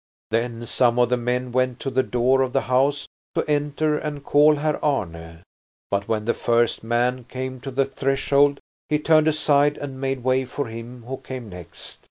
Then some of the men went to the door of the house to enter and call Herr Arne; but when the first man came to the threshold he turned aside and made way for him who came next.